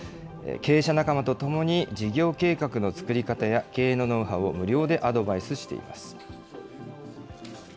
経営者仲間と共に、事業計画の作り方や、経営のノウハウを無料でアドバイスしています。